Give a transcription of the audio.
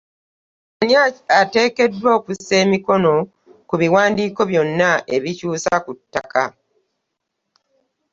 Ani ateekedwa okusa emikono ku biwandiiko byonna ebikyusa ku ttaka?